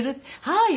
「はい。